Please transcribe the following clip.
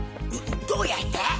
どうやって？